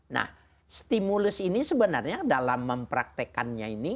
nah stimulus ini sebenarnya dalam mempraktekannya ini